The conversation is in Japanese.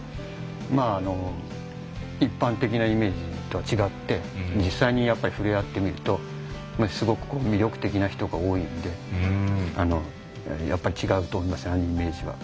まああの一般的なイメージとは違って実際に触れ合ってみるとすごく魅力的な人が多いんでやっぱり違うと思いますねイメージは。